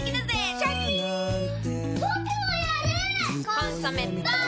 「コンソメ」ポン！